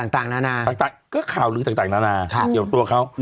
ต่างนานาต่างก็ข่าวลือต่างนานาเกี่ยวกับตัวเขา